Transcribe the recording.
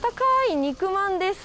肉まんです。